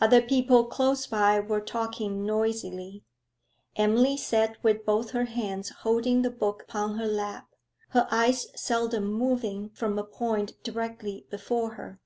Other people close by were talking noisily. Emily sat with both hands holding the book upon her lap, her eyes seldom moving from a point directly before her.